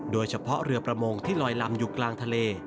โดยเฉพาะเรือประมงที่ลอยลำอยู่กลางทะเล